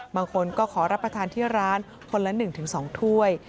บางคนก็ขอรับประทานที่ร้านคนละ๑๒ถ้วย